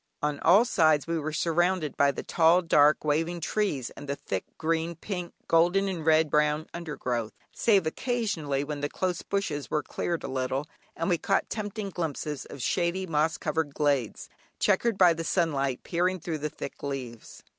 On all sides we were surrounded by the tall, dark, waving trees, and the thick green, pink, golden, and red brown under growth, save occasionally when the close bushes were cleared a little, and we caught tempting glimpses of shady moss covered glades, chequered by the sunlight peering through the thick leaves.